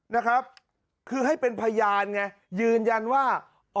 นะครับคือให้เป็นพยานไงยืนยันว่า